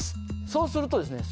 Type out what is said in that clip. そうするとですね